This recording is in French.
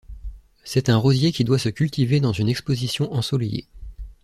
C'est un rosier qui doit se cultiver dans une exposition ensoleillée.